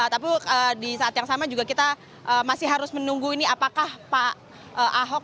tapi di saat yang sama juga kita masih harus menunggu ini apakah pak ahok